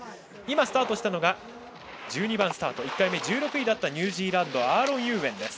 今スタートしたのが１２番スタートの１回目１６位だったニュージーランドのアーロン・ユーウェン。